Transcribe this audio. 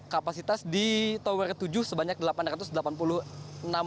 kapasitas di tower tujuh sebanyak delapan ratus delapan puluh enam orang